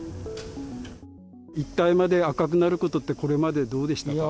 一帯まで赤くなることって、これまでどうでしたか。